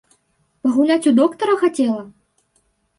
Пагуляць у доктара хацела?